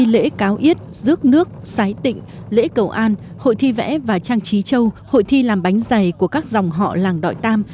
lễ cầu an hội thi vẽ và trang trí châu hội thi làm bánh giày của các dòng họ làng đội tam